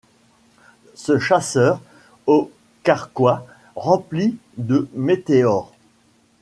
Ce chasseur au carquois rempli de météores